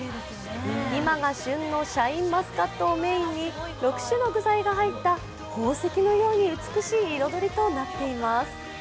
今が旬のシャインマスカットをメインに６種の具材が入った宝石のように美しい彩りとなっています。